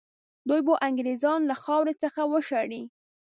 دوی به انګرېزان له خاورې څخه وشړي.